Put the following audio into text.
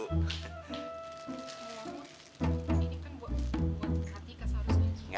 bang mahmud ini kan buat kak tika seharusnya